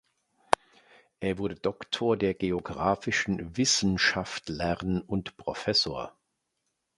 Er wurde Doktor der geographischen Wissenschaftlern und Professor.